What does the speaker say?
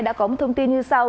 đã có một thông tin như sau